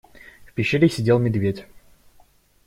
В пещере сидел медведь.